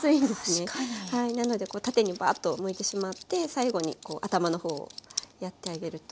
なのでこう縦にバーッとむいてしまって最後にこう頭の方をやってあげると。